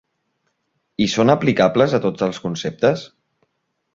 I són aplicables a tots els conceptes?